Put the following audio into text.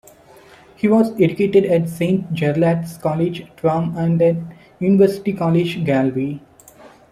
He was educated at Saint Jarlath's College, Tuam and at University College Galway.